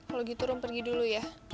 kalau gitu dong pergi dulu ya